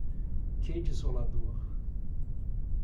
Que desolador